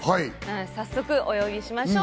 早速お呼びしましょう。